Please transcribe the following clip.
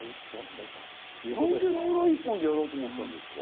なんでローラー１本でやろうと思ったんですか？